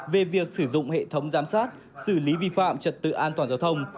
về việc sử dụng hệ thống giám sát xử lý vi phạm trật tự an toàn giao thông